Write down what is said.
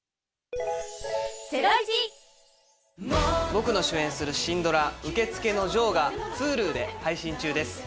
僕の主演するシンドラ『受付のジョー』がＨｕｌｕで配信中です。